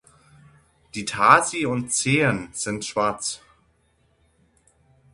Die Tarsi und Zehen sind schwarz.